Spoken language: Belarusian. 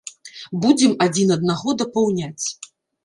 Будзем адзін аднаго дапаўняць.